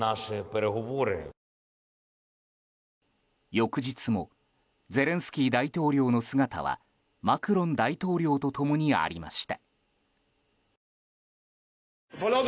翌日もゼレンスキー大統領の姿はマクロン大統領と共にありました。